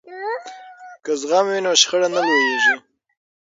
که زغم وي نو شخړه نه لویږي.